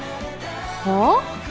はあ？